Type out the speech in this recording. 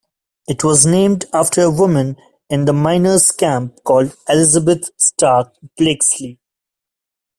It was named after a woman in the miners camp called Elizabeth Stark Blakesley.